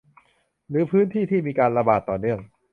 หรือพื้นที่ที่มีการระบาดต่อเนื่อง